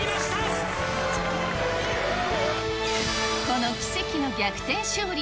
この奇跡の逆転勝利。